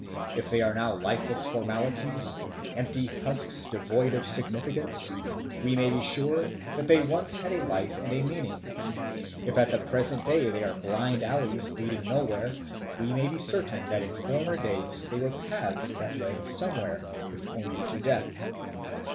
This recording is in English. If they are now lifeless formalities, empty husks devoid of significance, we may be sure that they once had a life and a meaning; if at the present day they are blind alleys leading nowhere, we may be certain that in former days they were paths that led somewhere, if only to death.